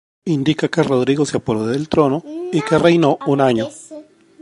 Indica que Rodrigo se apoderó del trono y que reinó un año.